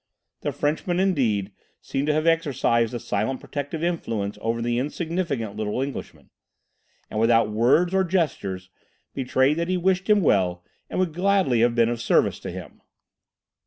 The Frenchman, indeed, seemed to have exercised a silent protective influence over the insignificant little Englishman, and without words or gestures betrayed that he wished him well and would gladly have been of service to him.